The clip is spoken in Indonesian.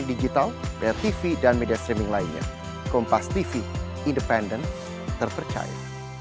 digital bayar tv dan media streaming lainnya kompas tv independen terpercaya